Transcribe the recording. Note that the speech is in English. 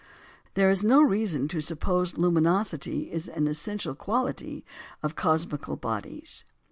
There is no reason to suppose luminosity an essential quality of cosmical bodies.